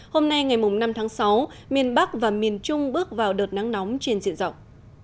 hôm nay ngày năm tháng sáu miền bắc và miền trung bước vào đợt nắng nóng trên diện rộng